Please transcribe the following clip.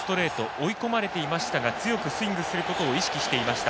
追い込まれていましたが強くスイングすることを意識していました。